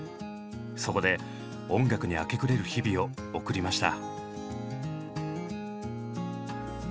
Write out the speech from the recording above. そこで音楽に明け暮れる日々を送りました。